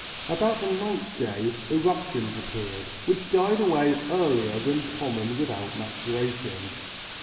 About the ninth day eruptions appeared, which died away earlier than common without maturation.